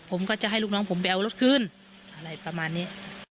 ผมก็จะให้ลูกน้องผมไปเอารถคืนอะไรประมาณนี้